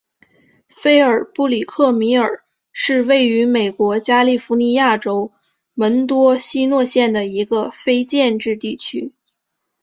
菲尔布里克米尔是位于美国加利福尼亚州门多西诺县的一个非建制地区。